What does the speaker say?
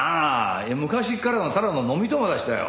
昔からのただの飲み友達だよ。